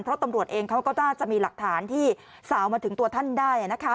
เพราะตำรวจเองเขาก็น่าจะมีหลักฐานที่สาวมาถึงตัวท่านได้